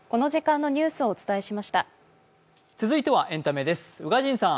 続いてはエンタメです。